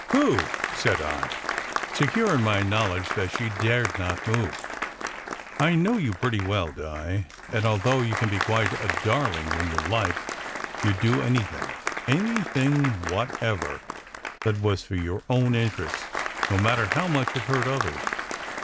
"Pooh!" said I, secure in my knowledge that she dared not move. "I know you pretty well, Di, and although you can be quite a darling when you like, you d do anything anything whatever, that was for your own interests, no matter how much it hurt others.